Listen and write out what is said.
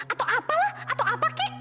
atau apalah atau apa kek